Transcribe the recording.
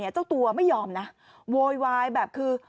เจ้าตัวไม่ยอมนะโวยวายแบบคือ